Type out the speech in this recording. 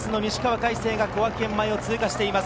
魁星が小涌園前を通過しています。